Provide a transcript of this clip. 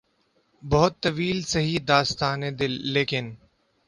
بہت طویل سہی داستانِ دل ، لیکن